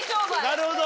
なるほど。